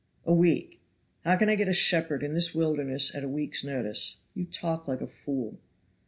"A week! how can I get a shepherd in this wilderness at a week's notice? You talk like a fool."